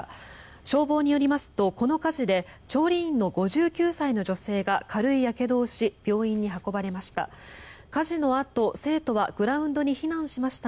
消防によりますと、この火事で調理員の５９歳の女性が軽いやけどをし病院に運ばれました。